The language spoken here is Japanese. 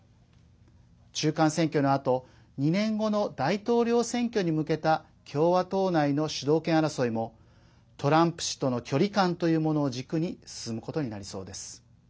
中間選挙のあと２年後の大統領選挙に向けた共和党内の主導権争いもトランプ氏との距離感というものを軸に進むことになりそうです。